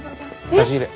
差し入れ。